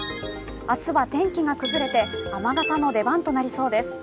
明日は天気が崩れて、雨傘の出番となりそうです。